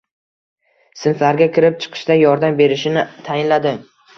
Sinflarga kirib-chiqishda yordam berishini tayinladi.